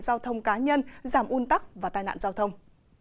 giao thông cá nhân giảm un tắc và tai nạn giao thông